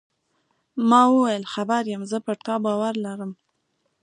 ما وویل: خبر یم، زه پر تا باور لرم.